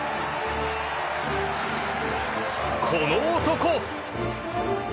この男！